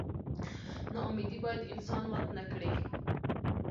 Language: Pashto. نا امیدي باید انسان مات نه کړي.